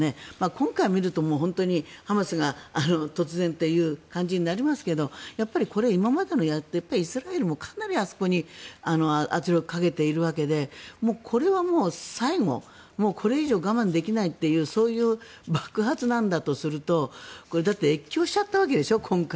今回見ると本当にハマスが突然という感じになりますけどこれは今までのイスラエルもかなりあそこに圧力をかけているわけでこれはもう最後これ以上我慢できないというそういう爆発なんだとするとだって越境しちゃったわけでしょ今回。